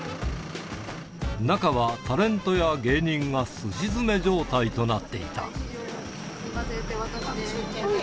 中はタレントや芸人がすし詰め状態となっていた。